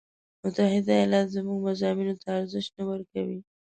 متحده ایالات زموږ مضامینو ته ارزش نه ورکوي.